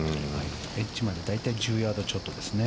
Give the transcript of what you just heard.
エッジまで大体１０ヤードちょっとですね